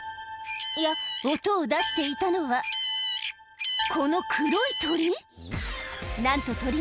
いや音を出していたのはこの黒い鳥？